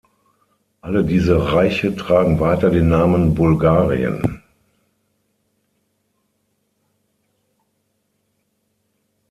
Alle diese Reiche tragen weiter den Namen Bulgarien.